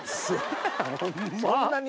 そんなに？